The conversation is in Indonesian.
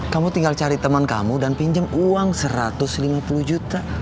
kamu tinggal cari teman kamu dan pinjam uang satu ratus lima puluh juta